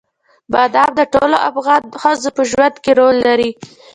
بادام د ټولو افغان ښځو په ژوند کې رول لري.